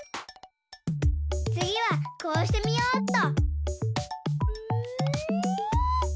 つぎはこうしてみようっと。